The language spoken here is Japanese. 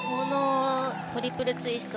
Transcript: トリプルツイスト